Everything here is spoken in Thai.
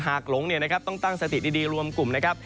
หากหลงเนี่ยนะครับต้องตั้งสติดีรวมกลุ่มนะครับ